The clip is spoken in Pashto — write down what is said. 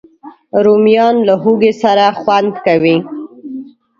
رومیان له هوږې سره خوند کوي